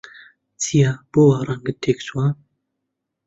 چییە، بۆ وا ڕەنگت تێکچووە؟